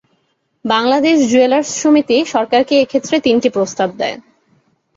Bangladesh jewellers সমিতি সরকারকে এ ক্ষেত্রে তিনটি প্রস্তাব দেয়।